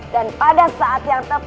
dan pada saat yang tepat